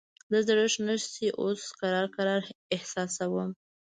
د زړښت نښې اوس کرار کرار احساسوم.